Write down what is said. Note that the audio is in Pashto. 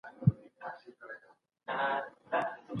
ډېر نیژدې و چي له لوږي سر کړي ساندي